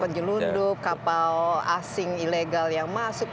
penyelundup kapal asing ilegal yang masuk